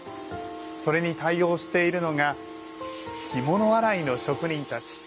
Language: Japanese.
それに対応しているのが着物洗いの職人たち。